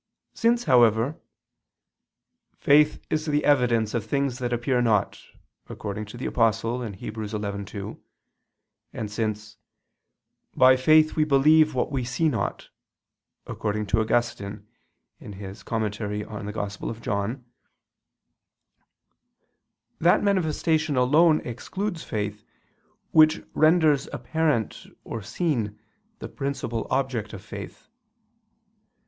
Since, however, "faith is the evidence of things that appear not," according to the Apostle (Heb. 11:2), and since "by faith we believe what we see not," according to Augustine (Tract. xl in Joan.; QQ. Evang. ii, qu. 39), that manifestation alone excludes faith, which renders apparent or seen the principal object of faith.